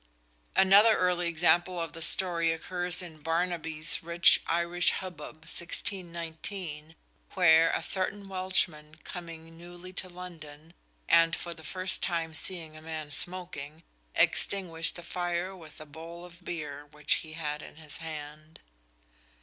Another early example of the story occurs in Barnaby Rich's "Irish Hubbub," 1619, where a "certain Welchman coming newly to London," and for the first time seeing a man smoking, extinguished the fire with a "bowle of beere" which he had in his hand.